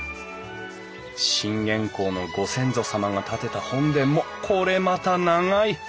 信玄公のご先祖様が建てた本殿もこれまた長い。